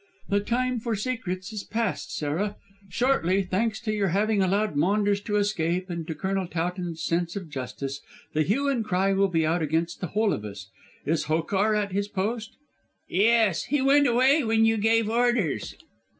"The time for secrets is past, Sarah. Shortly, thanks to your having allowed Maunders to escape and to Colonel Towton's sense of justice, the hue and cry will be out against the whole of us. Is Hokar at his post?" "Yes. He went away when you gave orders."